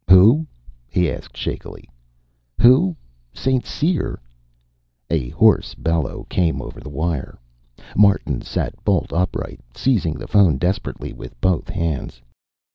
"Who?" he asked shakily. "Who? St. Cyr " A hoarse bellow came over the wire. Martin sat bolt upright, seizing the phone desperately with both hands.